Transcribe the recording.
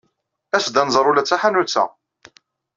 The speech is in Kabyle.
As-d ad nẓer ula d taḥanut-a.